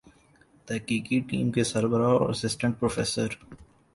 تحقیقی ٹیم کے سربراہ اور اسسٹنٹ پروفیسر